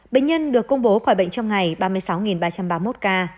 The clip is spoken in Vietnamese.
bệnh nhân được công bố khỏi bệnh trong ngày ba mươi sáu ba trăm ba mươi một ca